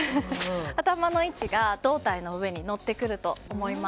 頭の位置が胴体の上に乗ってくると思います。